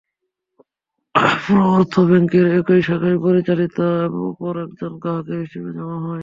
পুরো অর্থ ব্যাংকের একই শাখায় পরিচালিত অপর একজন গ্রাহকের হিসাবে জমা হয়।